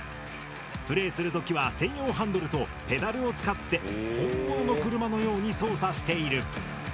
プレイする時は専用ハンドルとペダルを使って本物の車のように操作している。